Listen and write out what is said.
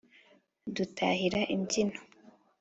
dutahira imbyino